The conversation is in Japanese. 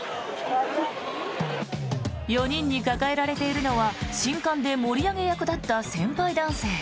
４人に抱えられているのは新歓で盛り上げ役だった先輩男性。